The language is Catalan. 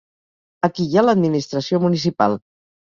Aquí hi ha l'administració municipal.